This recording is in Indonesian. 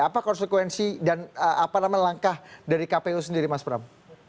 apa konsekuensi dan apa nama langkah dari kpu sendiri mas pram